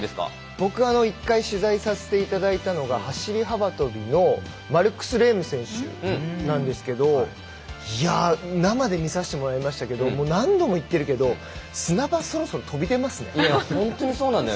僕は１回取材させていただいたのが走り幅跳びのマルクス・レーム選手なんですけど生で見させてもらいましたが何度も言ってるけど砂場そろそろ飛び出ますよ。